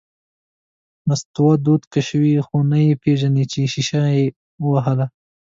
نستوه دود کشوي، خو نه یې پېژني چې شیشه یې ووهله…